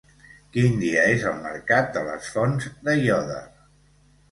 Quin dia és el mercat de les Fonts d'Aiòder?